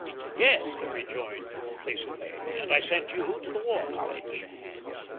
"Yes," he rejoined, complacently; "and I sent you to the War College."